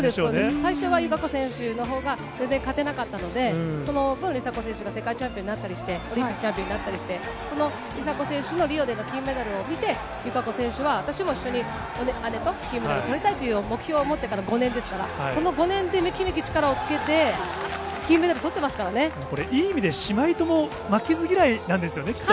最初は友香子選手のほうが全然勝てなかったので、その分、梨紗子選手が世界チャンピオンになったりして、オリンピックチャンピオンになったりして、その梨紗子選手のリオでの金メダルを見て、友香子選手は、私も一緒に姉と金メダルをとりたいという目標を持ってから５年ですから、その５年でめきめき力をつけて、金メダルこれ、いい意味で姉妹とも負けず嫌いなんですよね、きっと。